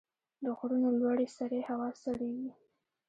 د غرونو لوړې سرې هوا سړې وي.